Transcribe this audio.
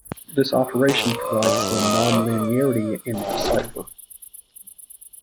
This operation provides the non-linearity in the cipher.